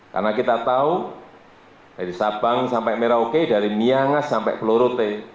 karena kita tahu dari sabang sampai merauke dari miangas sampai pelurute